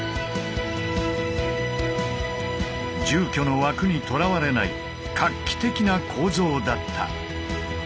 住居の枠にとらわれない画期的な構造だった。